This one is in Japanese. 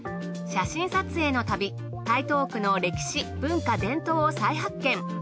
写真撮影の旅台東区の歴史文化伝統を再発見。